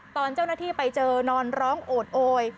ตอนเจ้าหน้าที่ไปเจอนอนร้องโอดโอย